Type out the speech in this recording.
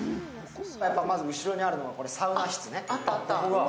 まず後ろにあるのがサウナ室ね。